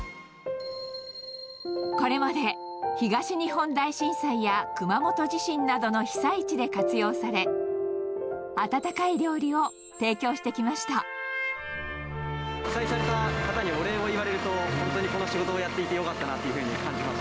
これまで東日本大震災や熊本地震などの被災地で活用され、被災された方にお礼を言われると、本当にこの仕事をやっていてよかったなっていうふうに感じます。